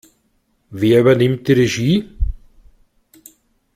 Wer übernimmt die Regie?